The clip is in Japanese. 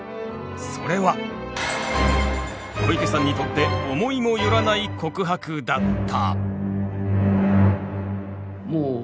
それは小池さんにとって思いもよらない告白だった。